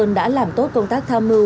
mãi sơn đã làm tốt công tác tham mưu